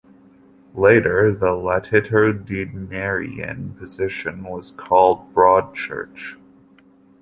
Later, the latitudinarian position was called broad church.